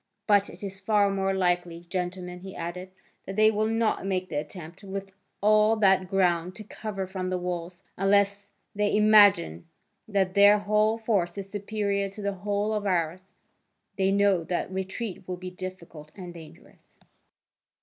But it is far more likely, gentlemen," he added, "that they will not make the attempt, with all that ground to cover from the walls, unless they imagine that their whole force is superior to the whole of ours: they know that retreat will be difficult and dangerous."